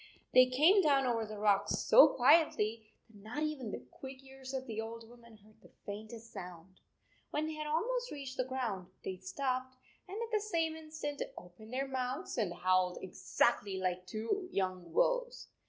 They came down over the rocks so quietly that not even the quick ears of the old woman heard the faintest sound. When they had almost reached the ground, they stopped, and at the same instant opened their mouths and howled exactly like two young wolves